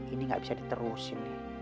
ini gak bisa diterusin